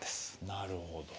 なるほど。